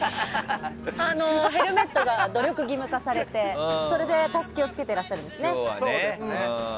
ヘルメットが努力義務化されてそれでタスキをつけていらっしゃるんですね。